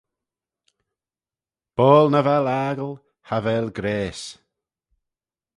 Boayl nagh vel aggie, cha vel grayse